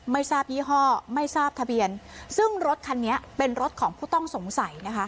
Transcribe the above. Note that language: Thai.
ไม่ทราบยี่ห้อไม่ทราบทะเบียนซึ่งรถคันนี้เป็นรถของผู้ต้องสงสัยนะคะ